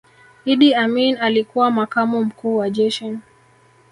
iddi amin alikuwa makamu mkuu wa jeshi